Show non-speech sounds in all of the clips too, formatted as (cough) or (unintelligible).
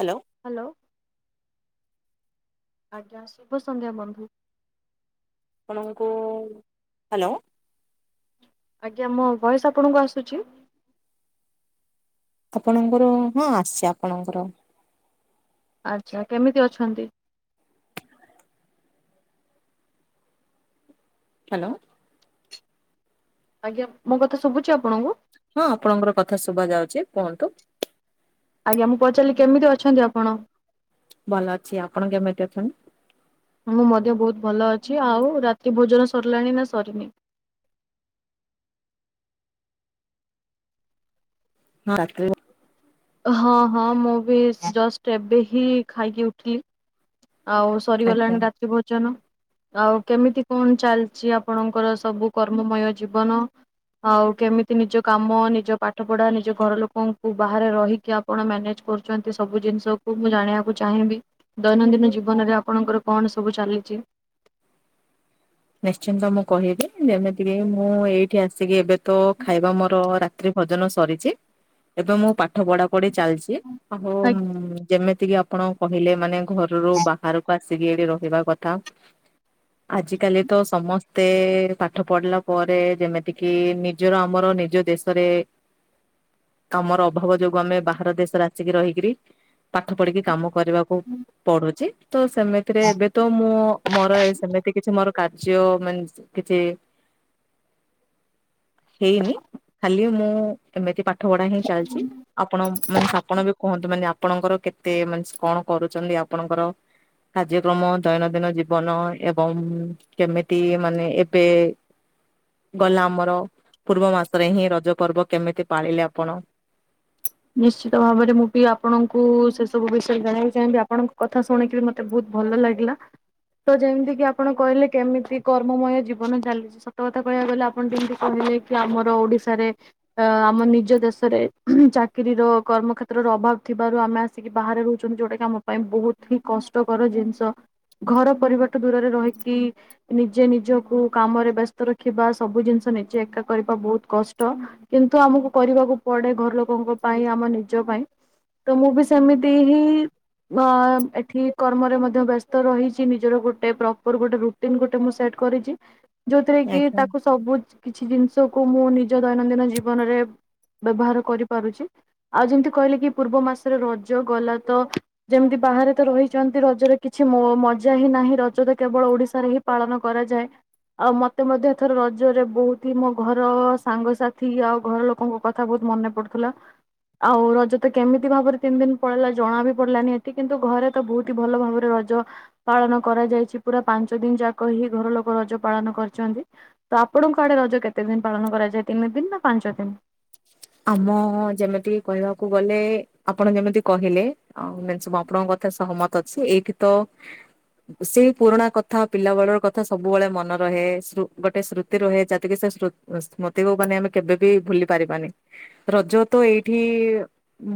Hello hello. ଆଜ୍ଞା ଶୁଭ ସନ୍ଧ୍ୟା ବନ୍ଧୁ। ଆପଣଙ୍କୁ ହାଲୋ। ଆଜ୍ଞା ମୋ ଭଏସ୍ ଆପଣଙ୍କୁ ଆସୁଚି? ଆପଣଙ୍କର ହଁ ଆସୁଚି ଆପଣଙ୍କର। ଆଚ୍ଛା କେମିତି ଅଛନ୍ତି? ହାଲୋ। ଆଜ୍ଞା ମୁଁ କଥା ଶୁବୁଚି ଆପଣ ହଁ ଆପଣଙ୍କର କଥା ଶୁଭ ଯାଉଛି କୁହନ୍ତୁ। ଆଜ୍ଞା ମୁଁ ପଚାରିଲି କେମିତି ଅଛନ୍ତି ଆପଣ? ଭଲ ଅଛି ଆପଣ କେମିତି ଅଛନ୍ତି? ମୁଁ ମଧ୍ୟ ବହୁତ ଭଲ ଅଛି ଆଉ ରାତି ଭୋଜନ ସରିଲାଣି ନା ସରିନି? (inaudible) ହଁ (unintelligible) ହଁ ହଁ ମୁଁ ବି ଜଷ୍ଟ ଏବେ ହିଁ ଖାଇକି ଉଠିଲି ଆଉ ଆଜ୍ଞା ସରିଗଲାଣି ରାତି ଭୋଜନ ଆଉ କେମିତି କଣ ଚାଲିଛି ଆପଣଙ୍କର ସବୁ କର୍ମମୟ ଜୀବନ? ଆଉ କେମିତି ନିଜ କାମ ନିଜ ପାଠ ପଢା ନିଜ ଘର ଲୋକଙ୍କୁ ବାହାରେ ରହିକି ଆପଣ ମ୍ୟାନେଜ କରୁଛନ୍ତି ସବୁ ଜିନିଷକୁ ମୁଁ ଜାଣିବାକୁ ଚାହିଁବି ଦୈନନ୍ଦିନ ଜୀବନରେ ଆପଣଙ୍କର କଣ ସବୁ ଚାଲିଛି ନିଶ୍ଚିନ୍ତ ମୁଁ କହିବି ଯେମିତିକ ମୁଁ ଏଇଠି ଆସିକି ଏବେ ତ ଖାଇବା ମୋର ରା ରାତ୍ରି ଭଜନ ସରିଛି ଏବେ ମୁଁ ପାଠ ପଢା ପଢି ଚାଲିଛି ଆଉ ଆଜ୍ଞା ଯେମିତି ଯେତିକି ଆପଣ କହିଲେ ମାନେ ଘରରୁ ବାହାରକୁ ଆସି ଆସିକି ଏଠି ରହିବା କଥା ଆଜିକାଲି ତ ସମସ୍ତେ ପାଠ ପଢିଲା ପରେ ଯେମିତିକି ନିଜର ଆମର ନିଜ ଦେଶରେ ହ (inaudible) ଆମର ଅଭାବ ଯୋଗୁ ଆମେ ବାହାର ଦେଶରେ ଆସିକି ରହିକରି ପାଠ ପଢିକି କାମ କରିବାକୁ ପଡୁଛି ତ ସେମିତିରେ ଏବେ ତ ମୁଁ ମୋର ସେମିତି କିଛି ମୋର କାର୍ଯ୍ୟ ମାନ କିଛି ହେଇନି ଖାଲି ମୁଁ ଏମିତି ପାଖ ପାଠପଢା ହିଁ ଚାଲିଛି ଆପଣ ମାନେ ଆପଣ ବି କହନ୍ତୁ ମାନେ ଆପଣଙ୍କର କେତେ ମାନେ କଣ କରୁଛନ୍ତି ଆପଣଙ୍କର କାର୍ଯ୍ୟକ୍ରମ ଦୈନନ୍ଦିନ ଜୀବନ ଏବଂ କେମିତି ମାନେ ଏବେ ଗଲା ଆମର ପୂର୍ବ ମାସରେ ହିଁ ରଜ ପର୍ବ କେମିତି ପାଳିଲେ ଆପଣ ନିଶ୍ଚିତ ଭାବରେ ମୁଁ ବି ଆପଣଙ୍କୁ ସେ ସବୁ ବିଷୟରେ ଜଣେଇକୁ ଚାହିଁବି ଆପଣଙ୍କ କଥା ଶୁଣିକିରି ମତେ ବହୁତ ଭଲ ଲାଗିଲା ତ ଯେମିତି କିି ଆପଣ କହିଲେ କେମିତି କର୍ମମୟ ଜୀବନ ଚାଲିଛି ସତ କଥା କହିବାକୁ ଗଲେ ଆପଣ ଯେମିତି କହି କି ଆମର ଓଡିଶାରେ ଅ ଆମ ନିଜ ଦେଶରେ ଚା ଚାକିରି ର କର୍ମ କେତ୍ରର ଅଭାବ ଥିବାରୁ ଆମେ ଆସିକି ବାହାରେ ରହୁଛନ୍ତି ଯଉଟା କିି ଆମ ପାଇଁ ବହୁତ ହି କଷ୍ଟକର ଜିନିଷ ଘର ପରିବାର ଠୁ ଦୂରରେ ରହିକି ନିଜେ ନିଜକୁ କାମରେ ବ୍ୟସ୍ତ ରଖିବା ସବୁ ଜିନିଷ ନିଜେ ଏକା କରିବା ବହୁତ କଷ୍ଟ କିନ୍ତୁ ଆମକୁ କରିବାକୁ ପଡେ ଘର ଲୋକଙ୍କ ପାଇଁ ଆମ ନିଜ ପାଇଁ ତ ମୁଁ ବି ସେମିତି ହିଁ ପା ନାଁ ଏଠି କର୍ମରେ ମଧ୍ୟ ବ୍ୟସ୍ତ ରହିଚି ନିଜର ଗୋଟେ ପ୍ରପର ଗୋଟେ ରୁଟିନ ଗୋଟେ ମୁ ସେଟ କରିଚି ଯୋଉଥିରେ କି ଆଜ୍ଞା। ତାକୁ ସବୁ କିଛି ଜିନିଷକୁ ମୁଁ ନିଜ ଦୈନନ୍ଦିନ ଜୀବନରେ ବ୍ୟବହାର କରିପାରୁଚି ଆଉ ଯେମିତି କହିଲେ କି ପୂର୍ବ ମାସରେ ରଜ ଗଲା ତ ଯେମିତି ବାହାରେ ତ ରହିଚନ୍ତି ରଜରେ କିଛି ମୋ--ମଜା ହିଁ ନାହିଁ ରଜ ରେ କେବଳ ଓଡିଶାରେ ହିଁ ପାଳନ କରାଯାଏ। ଆଉ ମତେ ମଧ୍ୟ ଏଥର ରଜ ରେ ବହୁତ ହି ମୋ ଘର, ସାଙ୍ଗସାଥି ଆଉ ଘର ଲୋକଙ୍କ କଥା ବହୁତ ମନେ ପଡୁଥିଲା ଆଉ ରଜ ତ କେମିତି ଭାବରେ ତିନି ଦିନ ପଳେଇଲା ଜଣା ବି ପଡିଲାନି ଏଠି କିନ୍ତୁ ଘରେ ତ ବହୁତ ହି ଭଲ ଭାବରେ ରଜ ପାଳନ କରାଯାଇଛି ପୁରା ପାଞ୍ଚ ଦିନ ଯାକ ହିଁ ଘର ଲୋକ ରଜ ପାଳନ କରିଛନ୍ତି। ତ ଆପଣଙ୍କ ଆଡେ ରଜ କେତେ ଦିନ ପାଳନ କରାଯାଏ ତିନି ଦିନ ନା ପାଞ୍ଚ ଦିନ? ଆମ ଯେମିତି କହିବାକୁ ଗଲେ ଆପଣ ଯେମିତି କହିଲେ ଆଉ (unintelligible) ମୁଁ ଆପଣଙ୍କ କଥା ସହମତ ଅଛି ଏଇଠି ତ ସେଇ ପୁରୁଣା କଥା ପିଲା ବେଳର କଥା ସବୁବେଳେ ମନେ ରହେ ସ୍ମୃ--ଗୋଟେ ସ୍ମୃତି ରହେ ଚାକିରୀ ସା ସ୍ମୃତ--ସ୍ମୃତିକୁ ମାନେ ଆମେ କେବେ ବିି ଭୁଲି ପାରିବାନି। ରଜ ତ ଏଇଠି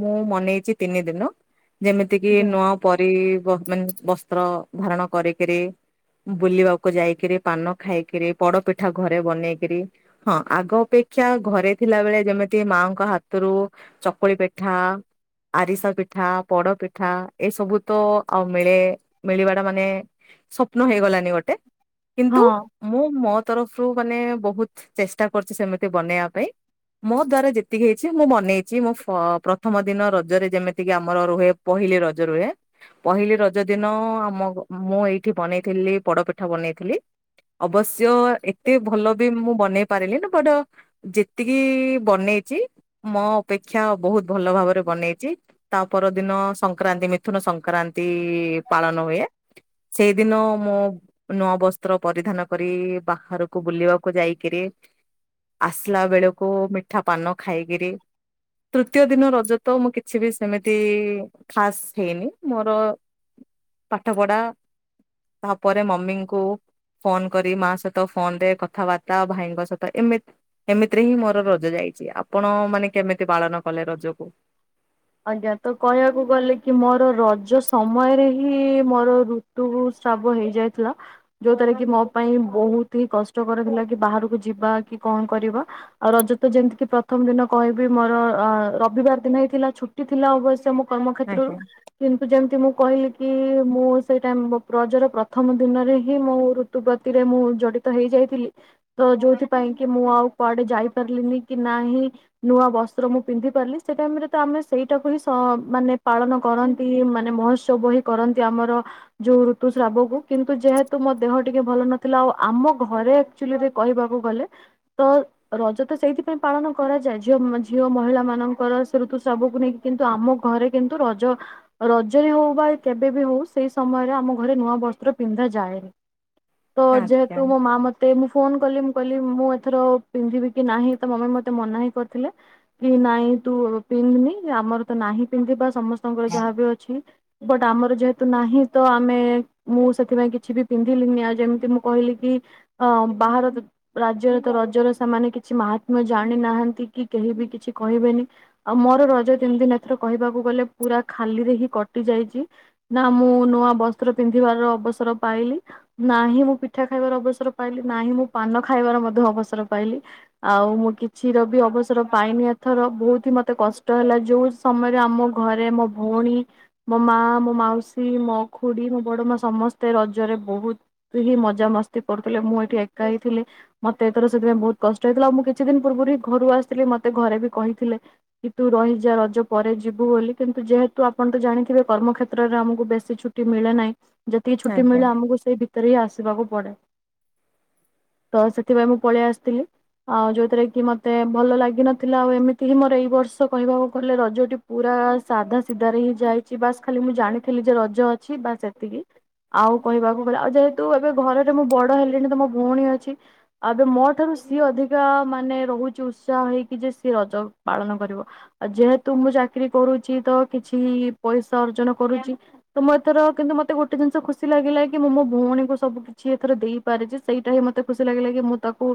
ମୁଁ ମନେଇଚି ତିନି ଦିନ। ଯେମିତି କିି ନୂଆ ପରି--ବ ମାନେ ବସ୍ତ୍ର ଧାରଣ କରିକରି। ବୁଲିବାକୁ ଯାଇକିରି ପାନ ଖାଇକିରି ପୋଡ ପିଠା ଘରେ ବନେଇକିରି ହଁ ଆଗ ଅପେକ୍ଷ କ୍ଷା ଘରେ ଥିଲା ବଳେ ଯେମିତି ମାଙ୍କ ହାତରୁ ଚକୁଳି ପିଠା ଆରିସା ପିଠା, ପୋଡପିଠା ଏ ସବୁ ତ ଆଉ ମିଳେ ମିଳିବା ଟା ମାନେ ସ୍ୱପ୍ନ ହେଇଗଲାନି ଗୋଟେ କିନ୍ତୁ ହଁ। ମୁଁ ମୋ ତରଫରୁ ମାନେ ବହୁତ ଚେଷ୍ଟା କରିଚି ସେମିତି ବନେଇବା ପାଇଁ ମୋ ଦ୍ଵାରା ଯେତିକି ହେଇଛି ମୁଁ ବନେଇଛି ମୁଁ ପ ପ୍ରଥମ ଦିନ ରଜରେ ଯେମିତିକି ଆମର ରୁହେ ପହିଲି ରଜ ରୁହେ ପହିଲି ରଜ ଦିନ ଆମ ମୁଁ ଏଇଠି ବନେଇଥିଲି ପୋଡ ପିଠା ବନେଇଥିଲି। ଅବଶ୍ୟ ଏତେ ଭଲ ବି ମୁଁ ବନେଇ ପାରିଲିନି ବଟ୍ ଯେତିକି ବନେଇଛି ମୋ ଅପେକ୍ଷା ବହୁତ ଭଲ ଭାବରେ ବନେଇଚି। ତା ପରଦିନ ସଂକ୍ରାନ୍ତି ମିଥୁନ ସଂକ୍ରାନ୍ତି ପାଳନ ହୁଏତା ସେଇଦିନ ମୁଁ ନୂଆ ବସ୍ତ୍ର ପରିଧାନ କରି ବାହାରକୁ ବୁଲିବାକୁ ଯାଇକିରି ଆସିଲା ବେଳକୁ ମିଠା ପାନ ଖାଇକିରି ତୃତୀୟ ଦିନ ରଜ ତ ମୁଁ କିଛି ବି ସେମିତି--ଖାଶ୍ ହେଇନି ମୋର ପାଠପଢା ତାହାପରେ ମମିଙ୍କୁ ଫୋନ କରି ମା ସହିତ ଫୋନରେ କଥାବାର୍ତ୍ତା ଭାଇଙ୍କ ସହିତ ଏମିତ୍--ଏମିତିରେ ହିଁ ମୋର ର ରଜ ଯାଇଚି ଆପଣ ମାନେ କେମିତି ପାଳନ କଲେ ରଜକୁ? ଆଜ୍ଞା ତ କହିବାକୁ ଗଲେ କି ମୋର ରଜ ସମୟରେ ହିଁ ମୋର ଋତୁକୁ ଶ୍ରାବ ହେଇଯାଇଥିଲା ଯୋଉ ଦ୍ଵାରା କି ମୋ ପାଇଁ ବହୁତ ହି କଷ୍ଟକର ଥିଲା କି ବାହାରକୁ ଯିବା କି କଣ କରିବ ଆଉ ରଜ ତ ଯେମିତି ପ୍ରଥମ ଦିନ କହିବି ମୋର ରବିବାର ଦିନ ହିଥିଲା ଛୁଟ ଥିଲା ଅବଶ୍ୟ ମୋ କର୍ମକ୍ଷେତ୍ରରୁ ଆଜ୍ଞା କିନ୍ତୁ ଯେମିତି ମୁଁ କହିଲି କି ମୁଁ ସେଇଟା ମୋ ରଜର ପ୍ରଥମ ଦିନରେ ହିଁ ମୋ ଋତୁବତିରେ ମୁଁ ଜଡି ତ ହେଇ ଯାଇଥିଲି ତ ଯୋଉଥିପାଇଁ କି ମୁଁ ଆଉ କୁଆଡେ ଯାଇପାରିଲିନି କି ନାହିଁ ନୂଆ ବସ୍ତ୍ର ମୁଁ ପିନ୍ଧି ପାରିଲି ସେଟାଇମ ରେ ତ ଆମେ ସେଇଟାକୁ ହିଁ ସ ମାନେ ପାଳନ କରନ୍ତି ମାନେ ମହୋତ୍ସବ ହିଁ କରନ୍ତି ଆମର ଯୋଉ ଋତୁ ଶ୍ରାବକୁ କିନ୍ତୁ ଯେହେତୁ ମୋ ଦେହ ଟିକେ ଭଲ ନଥିଲା ଆଉ ଆମ ଘରେ ଆକଚୁଲି ଏବେ କହିବାକୁ ଗଲେ ତ ରଜ ତ ସେଇଥିପାଇଁ ପାଳନ କରାଯାଏ ଝିଅ ଝିଅ ମହିଳା ମାନଙ୍କର ସେ ଋତୁ ସ୍ରାବକୁ କୁ ନେଇକି କିନ୍ତୁ ଆମ ଘରେ କିନ୍ତୁ ରଜ ରଜରେ ହଉ ବା କେବେ ବି ହଉ ସେଇ ସମୟରେ ଆମ ଘରେ ନୂଆ ବସ୍ତ୍ର ପିନ୍ଧା ଯାଏନି ତ ଯେହେତୁ ମୋ ମା ମୋତେ ଫୋନ କଲି ମୁଁ କହିଲି ମୁଁ ଏଥର ପିନ୍ଧିବି କି ନାହିଁ ତ ମମି ମତେ ମନା ହିଁ କରିଥିଲେ କି ନାଇଁ କିନ୍ତୁ ପିନ୍ଧନି ଆମର ତ ନାହିଁ ପିନ୍ଧିବା ସମସ୍ତଙ୍କର ଯାହା ବି ଅଛି ବଟ ଆମର ଯେହେତୁ ନାହିଁ ତ ଆମେ ମୁଁ ସେଥିପାଇଁ କିଛି ବି ପିନ୍ଧିଲିନି ଆଉ ଯେମିତି ମୁଁ କହିଲି କି ହଁ ବାହାର ରାଜ୍ୟରେ ତ ରଜର ସେମାନେ କିଛି ମା ଜାଣି ନାହାନ୍ତି କି କେହି ବି କିଛି କହିବେନି ଆଉ ମୋର ରଜ ତିନି ଦିନ ଏଥର କହିବାକୁ ଗଲେ ଖାଲିରେ ହି କଟି ଯାଇଛି ନା ମୁଁ ନୂଆ ବସ୍ତ୍ର ପି (unintelligible) ନାଁ ହିଁ ମୁଁ ପିଠା ଖାଇବାର ଅବସର ପାଇଲି ନାହିଁ ମୁଁ ପାନ ଖାଇବର ବସର ପାଇଲି ଆଉ ମୁଁ କିଛିର ବି ଅବସର ପାଇନି ଏଥର ବହୁତ ହି ମତେ କଷ୍ଟ ହେଲା ଯୋଉ ସମୟରେ ଆମ ଘରେ ମୋ ଭଉଣୀ ମୋ ମା ମୋ ମାଉସୀ ମୋ ଖୁଡି ମୋ ବଡ ସମସ୍ତେ ରଜରେ ବହୁତ ହିଁ ମଜାମସ୍ତି କରୁଥିଲେ ମୁଁ ଏଠି ଏକା ହିଁ ଥିଲି ମତେ ଏଥର ସେଥିଁ ବହୁତ କଷ୍ଟ ହେଇଥିଲା ଆଉ ମୁଁ କିଛି ଦିନ ପୂର୍ବରୁ ହ ଘରୁ ଆସିଥିଲି ମତେ ଘରେ ବି କହିଥିଲେ କି ତୁ ରହି ଯେ ରଜ ପରେ ଯିବୁ ବୋଲି କିନ୍ତୁ ଯେହେତୁ ଆପଣ ତ ଜାଣିଥିବେ କର୍ମ କେତ୍ରରେ ଆମକୁ ବେଶୀ ଛୁଟି ମିଳେ ନାହିଁ। ଯେତିକି ଛୁଟି ଆଜ୍ଞା। ମିଳଳେ ଆମକୁ ସେଇ ଭିତରେ ହିଁ ଆସିବାକୁ ପଡ଼େ ତ ସେଥିପାଇଁ ମୁଁ ପଳେଇ ଆସିଥିଲି। ଆଉ ଯୋଉଥିରେ କି ମତେ ଭଲ ଲାଗିନଥିଲା ଆଉ ଏମିତି ହି ମୋର ଏଇ ବର୍ଷ କହିବାକୁ କଲେ ରଜଟି ପୁରା ସାଧା ସିଧାରେ ହିଁ ଯାଇଛି ବାସ୍ ଖାଲି ମୁଁ ଜାଣିଥିଲି ଯେ ରଜ ଅଛି ବାସ୍ ଏତିକି ଆଉ କହିବାକୁ ଗଲେ ଆଉ ଯେହେତୁ ଏବେ ଘରେରେ ମୁଁ ବଡ ହେଲିଣି ତ ମୋ ଭଉଣୀ ଅଛି ଆଉ ଏବେ ମୋ ଠାରୁ ସିଏ ଅଧିକା ମାନେ ରହୁଛି ଉତ୍ସାହ ହେଇକି ଯେ ସିଏ ରଜ ପାଳନ କରିବ ଆଉ ଯେହେତୁ ମୁଁ ଚାକିରୀ କରୁଛି ତ କିଛି ପଇସା ଅର୍ଜନ କରୁଛି ତ ମୁଁ ଏଥର କିନ୍ତୁ ମୋତେ ଗୋଟେ ଜିନିଷ ଖୁସି ଲାଗିଲା କି ମୁଁ ମୋ ଭଉଣୀଙ୍କୁ ସବୁ କିଛି ଏଥରେ ଦେଇପାରଚି। ସେଇଟା ହିଁ ମତେ ଖୁସି ଲାଗିଲା କି ମୁଁ ତାକୁ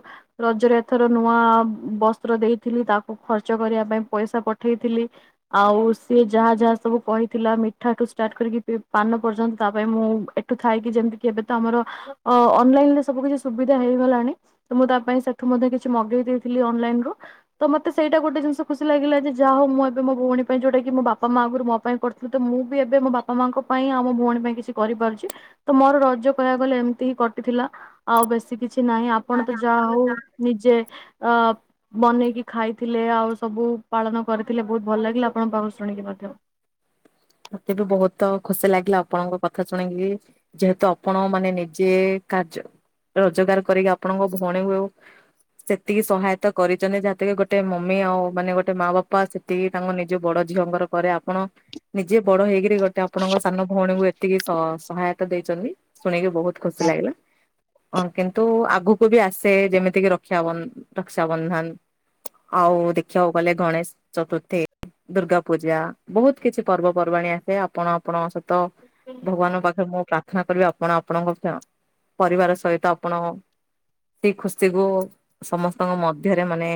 ରଜରେ ଏଥର ନୂଆ ବସ୍ତ୍ର ଦେଇଥିଲି ତାକୁ ଖର୍ଚ୍ଚ କରିବା ପାଇଁ ପଇଷା ପ ଠେଇଥିଲି ଆଉ ସିଏ ଯାହା ଯାହା ସବୁ କହିଥିଲା ମି ଠାଠୁ ସ୍ଟାଟ କରିକି ପି-ପାନ ପର୍ଯ୍ୟନ୍ତ ତା ପାଇଁ ମୁଁ ଏଠୁ ଥାଇକି ଯେମିତି କେବେ ତ ଆମର ଅ-ଅନ ଲାଇନରେ ସବୁ କିଛି ସୁବିଧା ହେଇଗଲାଣି ତ ମୁଁ ତା ପାଇଁ ସେଠୁ ମଧ୍ୟ କିଛି ମଗେଇ ଦେଇ ଦେଲି ଅନଲାଇନରୁ ତ ମତେ ସେଇଟା ଗୋଟେ ଜିନିଷ ଖୁସି ଲାଗିଲା ଯେ ଯାହା ହୋଉ ମୁଁ ଏବେ ମୋ ଭଉଣୀ ପାଇଁ ଯୋଉଟା କି ମୋ ବାପା ମା ଆଗରୁ ମୋ ପାଇଁ କରିଥିଲେ ତ ମୁଁ ବି ଏବେ ମୋ ବାପା ମାଙ୍କ ପାଇଁ ଆଉ ଭଉଣୀ ପାଇଁ କିଛି କରିପାରୁଚି ତ ମୋର ରଜ କହିବାକୁ ଗଲେ ଏମିତି ହିଁ କଟିଥିଲା। ଆଉ ବେଶୀ କିଛି ନାହିଁ ଆପଣ ତ ଯାହା ହୋଉ ନିଜେ ଆ ବନେଇକି ଖାଇଥିଲେ ଆଉ ସବୁ ପାଳନ କରିଥିଲେ ବୋହୁତ ଭଲ ଲାଗିଲା ଆପଣଙ୍କ ପାଖକୁ ଶୁଣିକି ମଧ୍ୟ। ମତେ ବି ବୋହୁତ ଖୁସି ଲାଗିଲା ଆପଣଙ୍କ କଥା ଶୁଣିକି ଯେହେତୁ ଆପଣ ମାନେ ନିଜେ କାର୍ଯ୍ୟ ରୋଜଗାର କରିକି ଆପଣଙ୍କ ଭଉଣୀକୁ ସେତିକି ସହାୟତା କରିଚନ୍ତି ଯାହାକ ଗୋଟେ ମମି ଆଉ ମାନେ ଗୋଟେ ମା ବାପା ସେତିକି ତାଙ୍କ ନିଜ ବଡ ଝିଅଙ୍କର କରେ ଆପଣ ନିଜେ ବଡ ହେଇକିରି ଗୋଟେ ଆପଣଙ୍କ ସାନ ଭଉଣୀକୁ ଯେତିକି ସ-ସହାୟତା ଦେଇଚନ୍ତି ଶୁଣିକି ବୋହୁତ ଖୁସି ଲାଗିଲା। ହଁ କିନ୍ତୁ ଆଗକୁ ବି ଆସେ ଯେମିତିକି ରକ୍ଷାବନ୍ଧ ରକ୍ଷାବନ୍ଧନ। ଆଉ ଦେଖିବାକୁ ଗଲେ ଗଣେଶ ଚତୁର୍ଥୀ ଦୁର୍ଗା ପୂଜା ବୋହୁତ କିଛି ପର୍ବପର୍ବାଣୀ ଆସେ ଆପଣ ଆପଣଙ୍କ ସହିତ ଭଗବାନଙ୍କ ପାଖରେ ମୁଁ ପ୍ରା ପ୍ରଥନା କରିବେ ଆପଣଙ୍କ ଫ୍ୟ ପରିବାର ଆପଣଙ୍କ ସହିତ ଆପଣ ସେଇ ଖୁସି କୁ ସମସ୍ତଙ୍କ ମଧ୍ୟରେ ମାନେ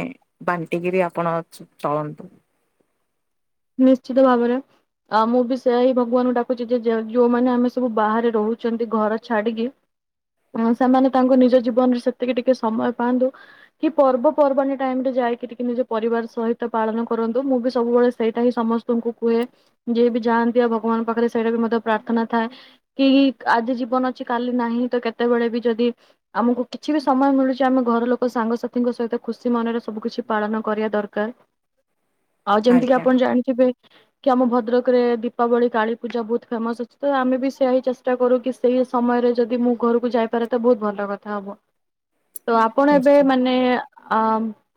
ବାଣ୍ଟିକରି ଆପଣ ଚ-ଚଳନ୍ତୁ ନିଶ୍ଚିତ ଭାବରେ ଆଉ ମୁଁ ବି ସେୟା ହିଁ ଭଗବାନଙ୍କୁ ଡାକୁଚି ଯେ ଯୋଉମାନେ ଆମେ ସବୁ ବାହାରେ ରୋହୁଛନ୍ତି ଘର ଛାଡିକି ସେମାନେ ତାଙ୍କୁ ନିଜ ଜୀବନରେ ସେତିକି ଟିକେ ସମୟ ପାଆନ୍ତୁ କି ପର୍ବପର୍ବାଣି ଟାଇମ ରେ ଯାଇକି ଟିକେ ନିଜ ପରିବାର ସହିତ ପାଳନ କରନ୍ତୁ ମୁଁ ବି ସବୁବେଳେ ସେଇଟା ହିଁ ସମସ୍ତଙ୍କୁ କୁହେ ଯିଏ ବି ଯାଆନ୍ତି ଆଉ ଭଗବାନଙ୍କ ପାଖରେ ସେଇଟା ବି ମଧ୍ୟ ପ୍ରାର୍ଥନା ଥାଏ କି କି ଆଜି ଜୀବନ ଅଛି କାଲି ନାହିଁ ତ କେତେବେଳେ ବି ଯଦି ଆମକୁ କିଛି ବି ସମୟ ମିଳୁଚି ଆମେ ଘର ଲୋକ କ ସାଙ୍ଗସାଥିଙ୍କ ସହିତ ଖୁସି ମନରେ ସବୁ କିଛି ପାଳନ କରିବା ଦରକାର। ଆଉ ଯେମିତି ଆପ୍ ଆଜ୍ଞା କି ଆମ ଭଦ୍ରକରେ ଦୀପାବଳି କାଳୀପୂଜା ବୋହୁତ ଫେମସ ଅଛି ତ ଆମେ ବି ସେୟ ହିଁ ଚେଷ୍ଟା କରୁ କି ସେଇ ସମୟରେ ଯଦି ମୁଁ ଘରକୁ ଯାଇପାରେ ତ ବୋହୁତ ଭଲ କଥା ହବ। ତ ଆପଣ ଏବେ ନିଶ୍ଚୟ ମାନେ ଆ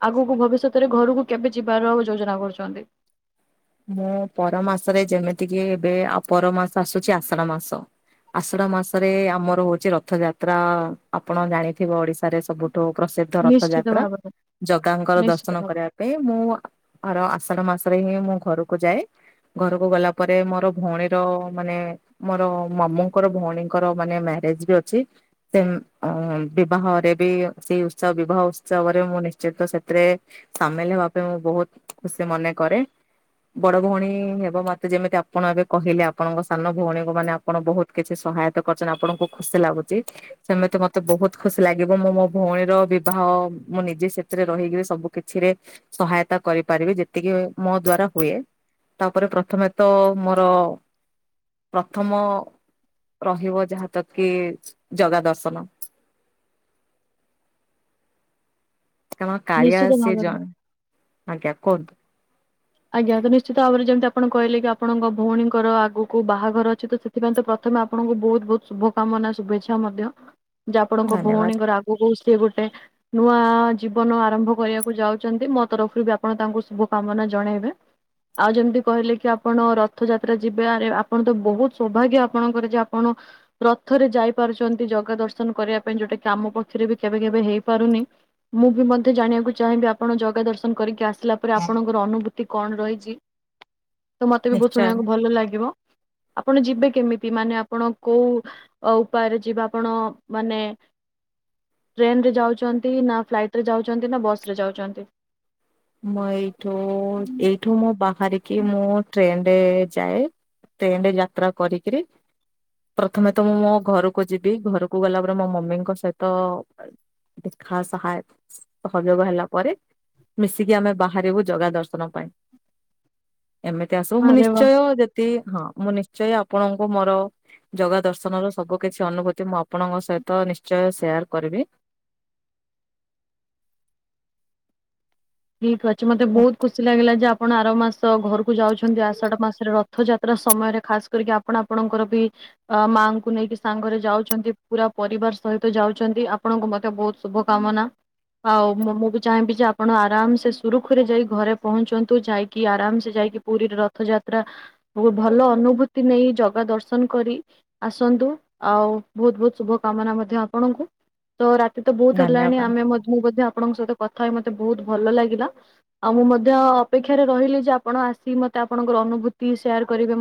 ଆଗକୁ ଭବିଷ୍ୟତରେ ଘରକୁ କେବେ ଯିବାର ଯୋଜନା କରୁଚନ୍ତି? ମୁଁ ପର ମାସରେ ଯେମିତିକି ଏବେ ଆ ପର ମାସ ଆସୁଚି ଆଷାଢ ମାସ ଆଷାଢ ମାସରେ ଆମର ହୋଉଚି ରଥଯାତ୍ରା ଆପଣ ଜାଣିଥିବ ଓଡି ଶାରେ ସବୁଠୁ ପ୍ରସିଦ୍ଧ ନିଶ୍ଚିତ ରଥଯାତ୍ରା। ଭାବରେ। ଜଗାଙ୍କର ନିଶ୍ଚିତ ଦର୍ଶନ ଭାବେ କରିବା ପାଇଁ ମୁଁ ଆର ଆଷାଢ ମାସରେ ହିଁ ମୁଁ ଘରକୁ ଯାଏ। ଘରକୁ ଗଲା ପରେ ମୋର ଭଉଣୀର ମାନେ ମୋର ମାମୁଙ୍କର ଭୋଉ ଣୀଙ୍କର ମାନେ ମ୍ୟାରେଜ ବି ଅଛି। ସେ ଉଁ ବିବାହରେ ବି ସେଇ ଉତ୍ସବ ବିବାହ ଉତ୍ସବରେ ମୁଁ ନିଶ୍ଚିତ ସେଥିରେ ସାମିଲ ହବା ପାଇଁ ମୁଁ ବୋହୁତ ଖୁସି ମନେ କରେ। ବଡ ଭୋଉଣୀ ହେବ ମତେ ଯେମିତି ଆପଣ ଏବେ କହିଲେ ଆପଣଙ୍କ ସାନ ଭୋଉଣୀଙ୍କୁ ମାନେ ଆପଣ ବହୁତ କିଛି ସହାୟ ତ ଆପଣଙ୍କୁ ଖୁସି ଲାଗୁଚି। ସେମିତି ମତେ ବୋହୁତ ଖୁସି ଲାଗିବ। ମୁଁ ମୋ ଭୋଉଣୀର ବିବାହ ମୁଁ ନିଜେ ସେଥିରେ ରହିକିରି ସବୁ କିଛିରେ ସହାୟତା କରିପାରିବି। ଯେତିକି ମୋ ଦ୍ଵାରା ହୁଏ ତାପରେ ପ୍ରଥମେ ତ ମୋର ପ୍ରଥମ ରହିବ ଯାହା ତକି ଜଗା ଦର୍ଶନ (inaudible) କାରଣ କାଳିଆ ନିଶ୍ଚିତ ସେ ଭାବରେ। ଜଣେ ଆଜ୍ଞା କୁହନ୍ତୁ ଆଜ୍ଞା ତ ନିଶ୍ଚିତ ଭାବରେ ଯେମିତି ଆପଣ କହିଲେ କି ଆପଣଙ୍କ ଭୋଉଣୀଙ୍କର ଆଗକୁ ବାହାଘର ଅଛି। ତ ସେଥିପାଇଁ ତ ପ୍ର ଥମେ ଆପଣଙ୍କୁ ବୋହୁତ ବୋହୁତ ଶୁଭ କାମନା ଶୁଭେଛ୍ୟା ମଧ୍ୟ ଯେ ଆପଣଙ୍କ ଧନ୍ୟବାଦ ଭଉଣୀଙ୍କର ଆଗକୁ ସେ ଗୋଟେ ନୂଆ ଜୀବନ ଆରମ୍ଭ କରିବାକୁ ଯାଉଚନ୍ତି। ମୋ ତରଫରୁ ବି ଆପଣ ତାଙ୍କୁ ଶୁଭକାମନା ଜଣେଇବେ। ଆଉ ଯେମିତି କହିଲେ କି ଆପଣ ରଥଯାତ୍ରା ଯିବେ। ଆରେ ଆପଣ ତ ବହୁତ ସୌଭାଗ୍ୟ ଆପଣଙ୍କର ଯେ ଆପଣ ରଥରେ ଯାଇପାରୁଚନ୍ତି ଜଗା ଦର୍ଶନ କରିବା ପାଇଁ। ଯୋଉଟା କାମ ପକ୍ଷରେ ବି କେବେ କେବେ ହେଇପାରୁନି। ମୁଁ ବି ମଧ୍ୟ ଜାଣିବାକୁ ଚାହିଁବି ଆପଣ ଜଗା ଦର୍ଶନ କରିକି ଆସିଲା ପରେ ଆପଣଙ୍କର ଅନୁଭୂ ତି କଣ ରହିଛି ତ ମତେ ବି ବହୁତ ନିଶ୍ଚୟ ଶୁଣିବାକୁ ଭଲ ଲାଗିବ? ଆପଣ ଯିବେ କେମିତି ମାନେ ଆପଣ କୋଉ ଉପାୟରେ ଯିବେ ଆପଣ ମାନେ ଟ୍ରେନରେ ଯାଉଛନ୍ତି ନା ଫ୍ଲାଇଟେ ଯାଉଛନ୍ତି ନା ବସରେ ଯାଉଛନ୍ତି? ମୁଁ ଏଇଠୁ ଏଇଠୁ ମୁଁ ବାହାରରିକି କି ମୁଁ ଟ୍ରେନ୍ ରେ ଯାଏ ଟ୍ରେନ ରେ ଯାତ୍ରା କରିକିରି ପ୍ରଥମେ ତ ମୁଁ ମୋ ଘରକୁ ଯିବି ଘରକୁ ଗଲା ପରେ ମୋ ମମିଙ୍କ ସହିତ ଖା ସାହାୟ ସହଯୋଗ ହେଲା ପରେ ମିଶିକି ଆମେ ବାହାରିବୁ ଜାଗା ଦର୍ଶନ ପାଇଁ ଏମିତି ଆସିବୁ ମୁଁ ଆରେ ବା ନିଶ୍ଚୟ ଯେ ହଁ ମୁଁ ନିଶ୍ଚୟ ଆପଣଙ୍କୁ ମୋର ଜଗା ଦର୍ଶନର ସବୁ କିଛି ଅନୁଭୂତି ମୁଁ ଆପଣଙ୍କ ସହିତ ନିଶ୍ଚୟ ସେୟାର କରିବି ଠିକ ଅଛି ମତେ ବହୁତ ଖୁସି ଲାଗିଲା ଯେ ଆପ୍ ଆପଣ ଆର ମାସ ଘରକୁ ଯାଉଛନ୍ତି ଆଷାଠ ମାସରେ ରଥଯାତ୍ରା ସମୟରେ ଖାସ୍ କରିକି ଆପଣ ଆପଣଙ୍କର ବି ଆ ମାଙ୍କୁ ନେଇକି ସାଙ୍ଗରେ ଯାଉଛନ୍ତି ପୁରା ପରିବାର ସହିତ ଯାଉଛନ୍ତି ଆପଣଙ୍କୁ ମଧ୍ୟ ବହୁତ ଶୁଭ କାମ କାମନା ଆଉ ମୁଁ ମୁଁ ବି ଚାହିଁବି ଯେ ଆପଣ ଆ ଆରାମ ସୁରୁଖୁରେ ଯାଇ ଘରେ ପହଞ୍ଚନ୍ତୁ ଯାଇକି ଆରାମ ସେ ଯାଇକି ପୁରୀ ରଥଯାତ୍ରା ଭଲ ଅନୁଭୂତି ନେଇ ଜଗା ଦର୍ଶନ କରି ଆସନ୍ତୁ ଆଉ ବହୁତ ବହୁତ ଶୁଭ କାମନା ମଧ୍ଯ ଆପଣଙ୍କୁ ତ ରାତି ତ ବହୁତ ହେଲାଣି ଧନ୍ୟବାଦ। ଆମେ ମୁଁ ମଧ୍ୟ ଆପଣଙ୍କ ସହିତ କଥା ହେଇ ମତେ ବହୁତ ଭଲ ଲାଗିଲା ଆଉ ମୁଁ ମଧ୍ୟ ଅପେକ୍ଷାରେ ରହିଲି ଯେ ଆପଣ ଆସି ମତେ ଆପଣଙ୍କର ଅନୁଭୂତି ସେୟାର କରିବେ